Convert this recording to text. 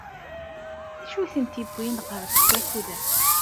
D acu ay tent-id-yewwin deg wakud-a?